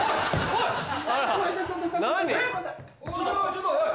ちょっとおい！